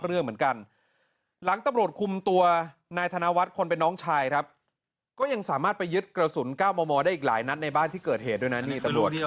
เรายังสามารถไปยึดกระสุนก้าวมองได้อีกหลายนัดในบ้านที่เกิดเหตุด้วยนะนี่ตำรวจ